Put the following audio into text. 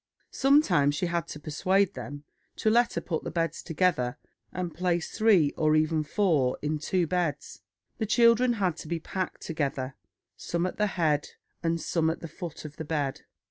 Sometimes she had to persuade them to let her put the beds together and place three or even four in two beds. The children had to be packed together, some at the head and some at the foot of the bed.